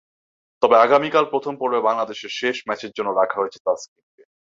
তবে আগামীকাল প্রথম পর্বে বাংলাদেশের শেষ ম্যাচের জন্য রাখা হয়েছে তাসকিনকে।